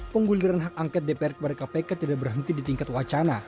pengguliran hak angket dpr kepada kpk tidak berhenti di tingkat wacana